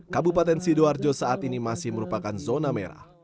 kabupaten sidoarjo saat ini masih merupakan zona merah